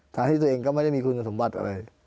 ที่ตัวเองก็ไม่ได้มีคุณสมบัติอะไร